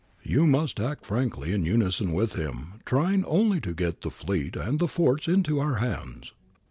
' You must act frankly in unison with him, trying only to get the fleet and the forts into our hands.'